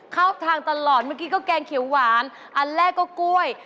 เข้าทางตลอดเมื่อกี้ก็แกงเขียวหวานอันแรกก็กล้วย